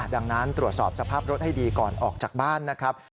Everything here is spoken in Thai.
ดังนั้นตรวจสอบสภาพรถให้ดีก่อนออกจากบ้านนะครับ